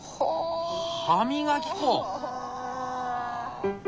歯磨き粉！